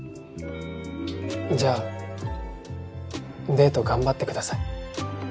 じゃあデート頑張ってください。